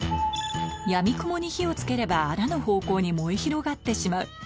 やみくもに火をつければ、あらぬ方向に燃え広がってしまう。